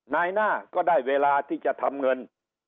นายหน้าก็ได้เวลาที่จะทำเงิน